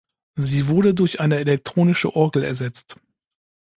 Sie wurde durch eine Elektronische Orgel ersetzt.